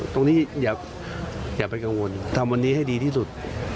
อย่าไปกังวลทำวันนี้ให้ดีที่สุด